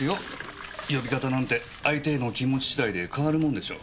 呼び方なんて相手への気持ち次第で変わるもんでしょう。